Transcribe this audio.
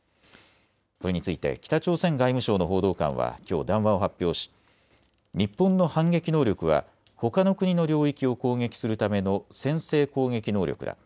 これについて北朝鮮外務省の報道官はきょう談話を発表し日本の反撃能力はほかの国の領域を攻撃するための先制攻撃能力だ。